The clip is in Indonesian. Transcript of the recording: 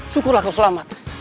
syukurlah kau selamat